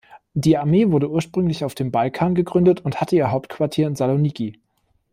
Die Armee wurde ursprünglich auf dem Balkan gegründet und hatte ihr Hauptquartier in Saloniki.